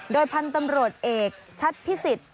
โดยพันธุ์ตำรวจเอกชัดพิสิทธิ์